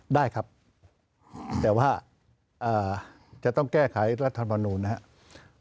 ได้ครับแต่ว่าจะต้องแก้ไขรัฐมนูลนะครับ